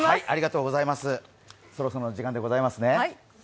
そろそろの時間でございますね。